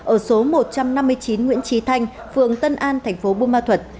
ở số một trăm năm mươi chín nguyễn trí thanh phường tân an thành phố bù ma thuật